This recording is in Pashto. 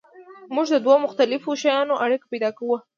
موږ د دوو مختلفو شیانو اړیکه پیدا کوو.